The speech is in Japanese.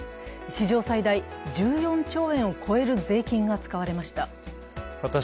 史上最大１４兆円を超える税金が使われました。